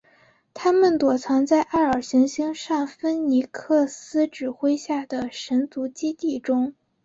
他们躲藏在艾尔行星上芬尼克斯指挥下的神族基地中。